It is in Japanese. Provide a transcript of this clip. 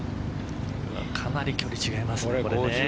かなり距離違いますね。